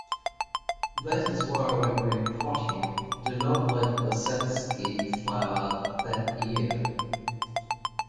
That is why when repotting, do not let the Satsuki flower that year.